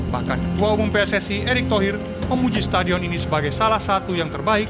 bahkan ketua umum pssi erick thohir memuji stadion ini sebagai salah satu yang terbaik